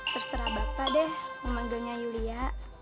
terserah bapak deh memanggilnya yulia